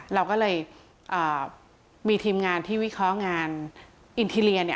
เราก็เลยมีทีมงานที่วิเคราะห์งานอินทีเรีย